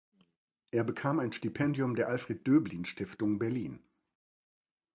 Er bekam ein Stipendium der Alfred-Döblin-Stiftung Berlin.